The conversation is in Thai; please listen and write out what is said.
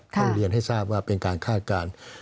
ต้องเรียนให้ทราบว่าเป็นการคาดการณ์